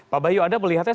pak bayu anda melihatnya